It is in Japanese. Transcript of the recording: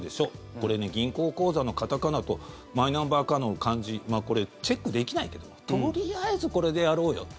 これに銀行口座の片仮名とマイナンバーカードの漢字チェックできないけどとりあえず、これでやろうよと。